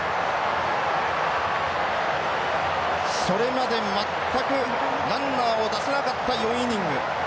それまで全くランナーを出せなかった４イニング。